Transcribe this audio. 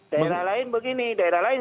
daerah lain begini daerah lain